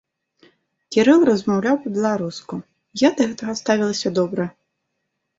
Кірыл размаўляў па-беларуску, я да гэтага ставілася добра.